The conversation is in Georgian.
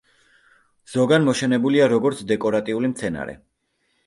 ზოგან მოშენებულია როგორც დეკორატიული მცენარე.